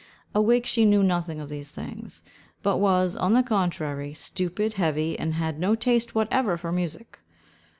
Awake, she knew nothing of these things; but was, on the contrary, stupid, heavy, and had no taste whatever for music.